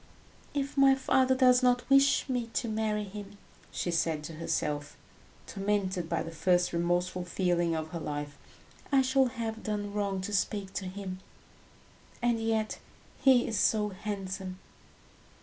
"If my father does not wish me to marry him," she said to herself, tormented by the first remorseful feeling of her life. "I shall have done wrong to speak to him. And yet he is so handsome!"